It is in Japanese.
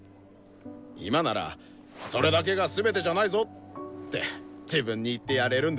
今なら「それだけがすべてじゃないぞ！」って自分に言ってやれるんですけど。